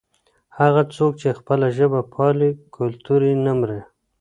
هغه څوک چې خپله ژبه پالي کلتور یې نه مري.